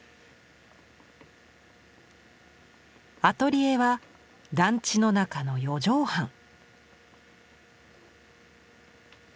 アトリエは団地の中の四畳半。